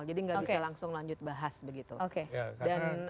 jadi nggak bisa langsung lanjut bahas begitu saja